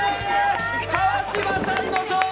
川島さんの勝利！